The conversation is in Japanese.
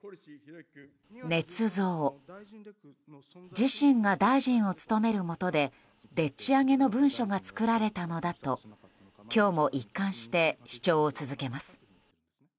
自身が大臣を務めるもとででっち上げの文書が作られたのだと今日も一貫して主張を続けます。